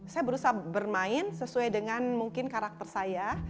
saya berusaha bermain sesuai dengan mungkin karakter saya